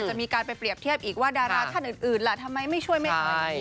จะมีการไปเรียบเทียบอีกว่าดาราท่านอื่นล่ะทำไมไม่ช่วยไม่ช่วย